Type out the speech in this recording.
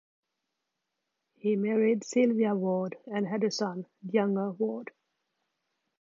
He married Silvia Ward and had a son, Django Ward.